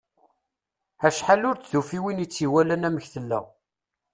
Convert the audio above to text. Acḥal ur d-tufi win itt-iwalan amek tella.